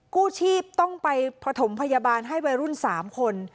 กู้ชีพต้องไปผสมพยาบาลให้วัยรุ่น๓คน